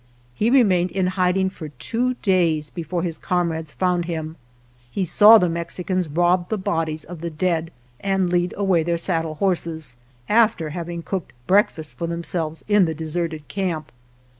He remained in hid ing for two days before his comrades found him. He saw the Mexicans rob the bodies of the dead and lead away their saddle horses, after having cooked breakfast for themselves in the deserted camp.